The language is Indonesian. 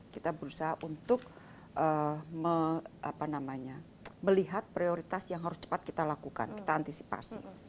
kita berusaha untuk melihat prioritas yang harus cepat kita lakukan kita antisipasi